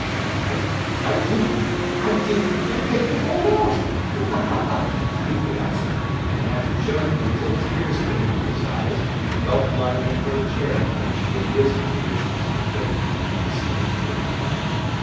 "I didn't—I didn't think I could hold out!" he gasped, and, after choking until tears came to his eyes, felt blindly for the chair from which he had risen to wish Mr. Kinney an indistinct good night.